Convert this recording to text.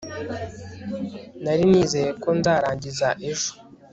nari nizeye ko nzarangiza ejo